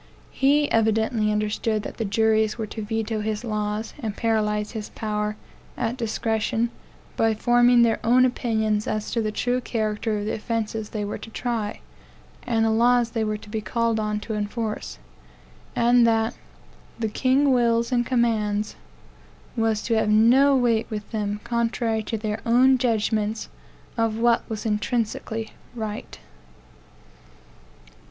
He evidently understood that the juries were to veto his laws, and paralyze his power, at discretion, by forming their own opinions as to the true character of the offences they were to try, and the laws they were to be called on to enforce; and that "the king wills and commands" was to have no weight with them contrary to their own judgments of what was intrinsically right.